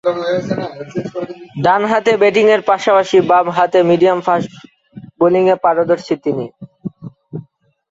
ডানহাতে ব্যাটিংয়ের পাশাপাশি বামহাতে মিডিয়াম-ফাস্ট বোলিংয়ে পারদর্শী তিনি।